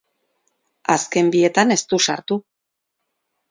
Azken bietan ez du sartu.